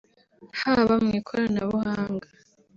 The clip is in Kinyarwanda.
haba mu ikoranabuhanga